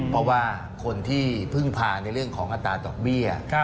เพราะว่าคนที่พึ่งพาในเรื่องของอัตราดอกเบี้ย